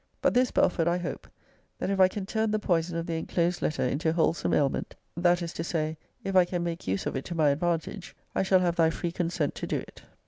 But this, Belford, I hope that if I can turn the poison of the enclosed letter into wholesome ailment; that is to say, if I can make use of it to my advantage; I shall have thy free consent to do it.